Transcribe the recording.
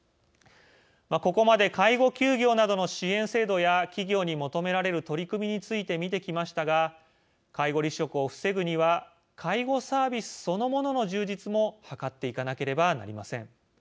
ここまで介護休業などの支援制度や企業に求められる取り組みについて見てきましたが介護離職を防ぐには介護サービスそのものの充実も図っていかなければなりません。